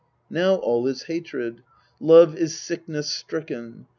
Now all is hatred : love is sickness stricken.